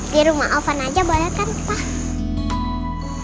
di rumah alvan aja boleh kan pak